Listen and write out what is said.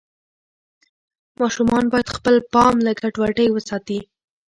ماشومان باید خپل پام له ګډوډۍ وساتي.